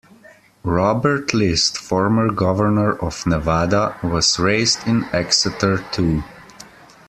Robert List, former governor of Nevada, was raised in Exeter, too.